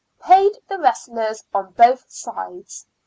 Paid the wrestlers on both sides, 4s.